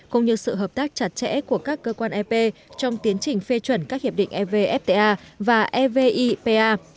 cũng như sự hợp tác chặt chẽ của các cơ quan ep trong tiến trình phê chuẩn các hiệp định evfta và evipa